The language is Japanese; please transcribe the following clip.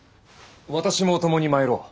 私も共に参ろう。